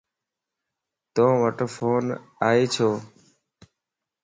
تووٽ فون ائي ڇو؟